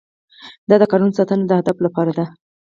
دا د کادرونو ساتنه د اهدافو لپاره ده.